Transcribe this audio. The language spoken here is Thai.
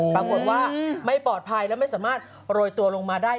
ปรากฏว่าไม่ปลอดภัยแล้วไม่สามารถโรยตัวลงมาได้